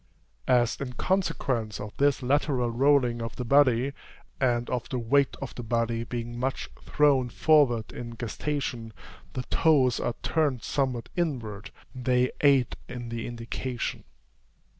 As in consequence of this lateral rolling of the body, and of the weight of the body being much thrown forward in gestation, the toes are turned somewhat inward, they aid in the indication.